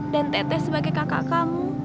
dan teh teh sebagai kakak kamu